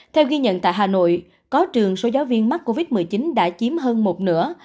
theo ghi nhận tại hà nội có trường số giáo viên mắc covid một mươi chín đã chiếm hơn một nửa